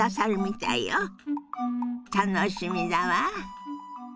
楽しみだわ。